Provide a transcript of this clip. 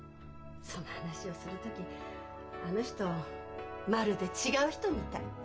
その話をする時あの人まるで違う人みたい。